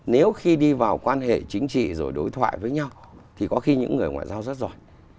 nếu khi đi vào quan hệ chính trị rồi đối thoại với nhau thì có khi những người ngoại giao rất giỏi